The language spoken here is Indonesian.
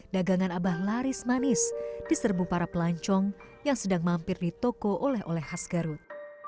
dagangan abah laris manis di serbu para pelancong yang sedang mampir di toko oleh oleh khas garut